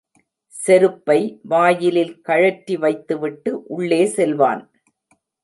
செருப்பை வாயிலில் கழற்றி வைத்து விட்டு உள்ளே செல்வான்.